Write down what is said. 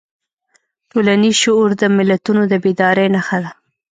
ټولنیز شعور د ملتونو د بیدارۍ نښه ده.